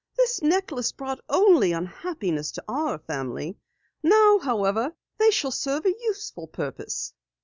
"This necklace brought only unhappiness to our family. Now, however, they shall serve a useful purpose!"